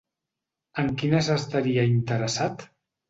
En quines estaria interessat?